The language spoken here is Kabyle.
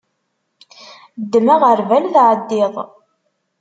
Ddem aɣerbal tɛeddiḍ.